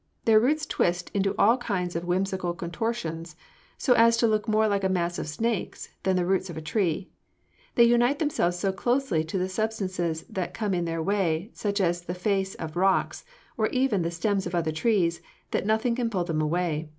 'Their roots twist into all kinds of whimsical contortions, so as to look more like a mass of snakes than the roots of a tree. They unite themselves so closely to the substances that come in their way, such as the face of rocks, or even the stems of other trees, that nothing can pull them away.